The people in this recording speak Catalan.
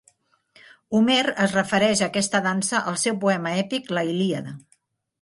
Homer es refereix a aquesta dansa al seu poema èpic "La Ilíada".